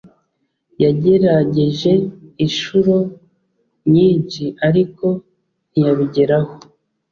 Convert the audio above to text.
Yagerageje inshuro nyinshi, ariko ntiyabigeraho.